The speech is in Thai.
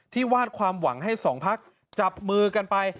วาดความหวังให้สองพักจับมือกันไป